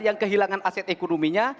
yang kehilangan aset ekonominya